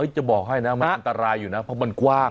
จะบอกให้นะมันอันตรายอยู่นะเพราะมันกว้าง